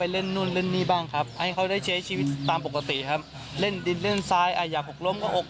เล่นดินเล่นซ้ายอยากหกล้มก็ออก